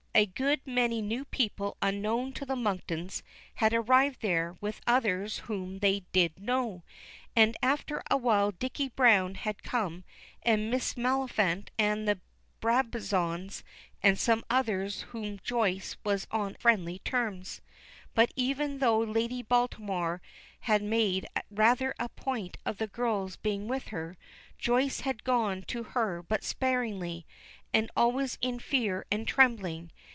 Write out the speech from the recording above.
A good many new people unknown to the Monktons had arrived there with others whom they did know, and after awhile Dicky Browne had come and Miss Maliphant and the Brabazons and some others with whom Joyce was on friendly terms, but even though Lady Baltimore had made rather a point of the girls being with her, Joyce had gone to her but sparingly, and always in fear and trembling.